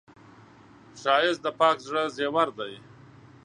ښایست د پاک زړه زیور دی